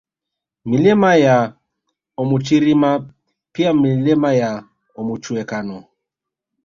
Milima ya Omuchirima pia Milima ya Omuchwekano